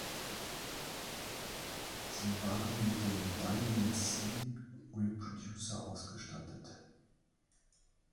Sie waren mit dem Diamond C Reproducer ausgestattet.